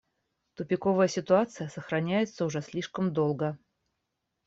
Тупиковая ситуация сохраняется уже слишком долго.